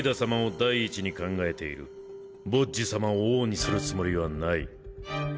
ボッジ様を王にするつもりはない